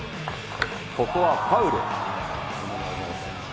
ここはファウル。